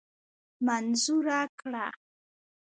منظوره کړه.